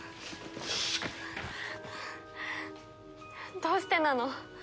どうしてなの？